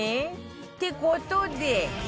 って事で